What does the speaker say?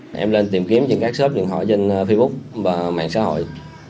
nghĩa đã tìm kiếm các shop điện thoại trên facebook và mạng xã hội